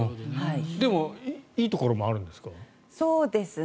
でも、いいところもあるんですか？